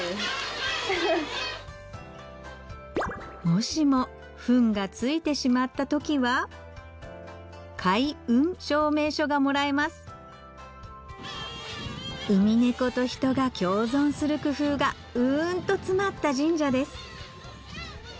もしもフンが付いてしまった時は会運証明書がもらえますウミネコと人が共存する工夫がうんと詰まった神社です